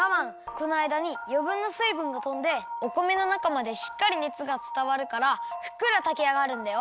このあいだによぶんなすいぶんがとんでお米のなかまでしっかりねつがつたわるからふっくらたきあがるんだよ。